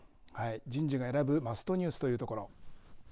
人事が選ぶマストニュース、というところ。